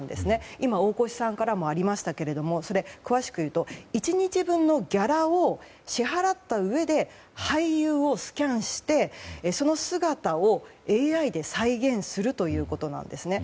今、大越さんからもありましたが詳しく言うと１日分のギャラを支払ったうえで俳優をスキャンしてその姿をＡＩで再現するということなんです。